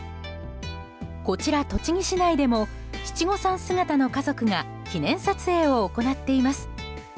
こちら、栃木市内でも七五三姿の家族が記念撮影を行っています。